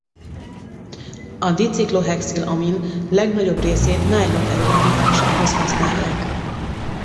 A diciklohexil-amin legnagyobb részét nylon előállításához használják.